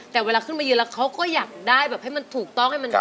แต่เวลาขึ้นมายืนแล้วเขาก็อยากได้แบบให้มันถูกต้องให้มัน